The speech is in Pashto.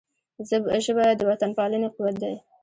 ژبه د وطنپالنې قوت دی